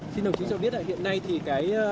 xin đồng chí cho biết ạ